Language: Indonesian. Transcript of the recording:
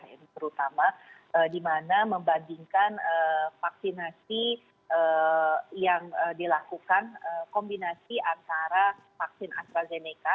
terutama di mana membandingkan vaksinasi yang dilakukan kombinasi antara vaksin astrazeneca